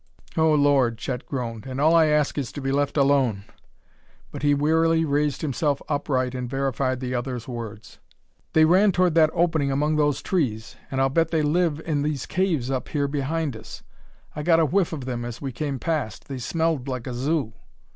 "Oh, Lord!" Chet groaned. "And all I ask is to be left alone!" But he wearily raised himself upright and verified the other's words. "They ran toward that opening among those trees. And I'll bet they live in these caves up here behind us. I got a whiff of them as we came past: they smelled like a zoo."